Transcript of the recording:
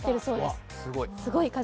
すごい数。